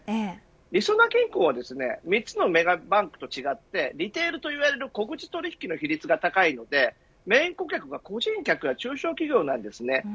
りそな銀行は３つのメガバンクと違ってリテールと呼ばれる小口取引の比率が高いのでメーンの顧客は個人客や中小企業なんです。